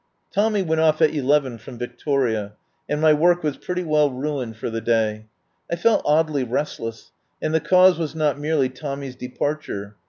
Tommy went off at n from Victoria, and my work was pretty well ruined for the day. I felt oddly restless, and the cause was not merely Tommy's departure.